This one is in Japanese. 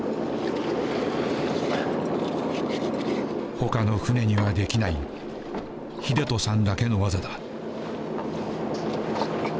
ほかの船にはできない英人さんだけの技だ。